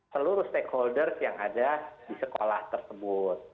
seluruh stakeholders yang ada di sekolah tersebut